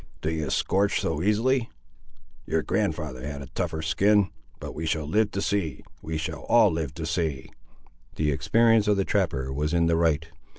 "Do you scorch so easily? your grand'ther had a tougher skin. But we shall live to see; we shall all live to see." The experience of the trapper was in the right.